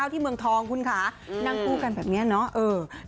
ที่เมืองทองคุณค่ะนั่งคู่กันแบบนี้เนาะ